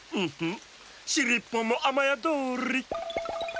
しりっぽんもあまやどり。